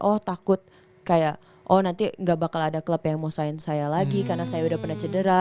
oh takut kayak oh nanti gak bakal ada klub yang mau sign saya lagi karena saya udah pernah cedera